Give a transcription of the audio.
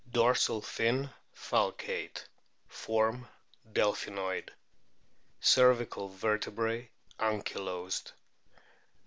Dorsal fin falcate ; form delphinoid. Cervi cal vertebrae ankylosed.